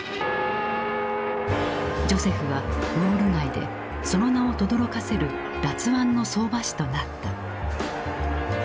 ジョセフはウォール街でその名をとどろかせる辣腕の相場師となった。